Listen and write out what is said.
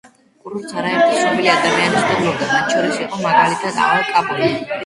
კურორტს არაერთი ცნობილი ადამიანი სტუმრობდა, მათ შორის იყო მაგალითად ალ კაპონე.